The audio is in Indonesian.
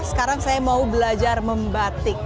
sekarang saya mau belajar membatik